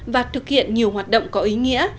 và thực hiện nhiều hoạt động có ý nghĩa